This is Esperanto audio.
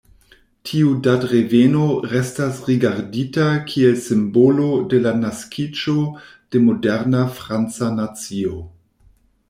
Tiu datreveno restas rigardita kiel simbolo de la naskiĝo de moderna franca nacio.